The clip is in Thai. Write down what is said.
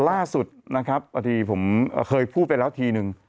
แล้วก็ล่าสุดนะครับเดี๋ยวผมเคยพูดไปแล้วทีหนึ่ง